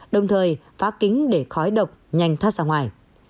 đồng thời phá kính để khói độc nhanh thoát ra ngoài